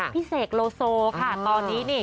พี่แจ๊กโลโซค่ะตอนนี้นี่